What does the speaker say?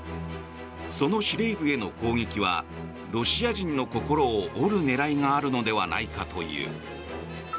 その司令部への攻撃はロシア人の心を折る狙いがあるのではないかという。